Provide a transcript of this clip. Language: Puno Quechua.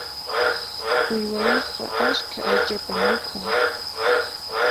Uywayuqqa askha aychatan mikhun.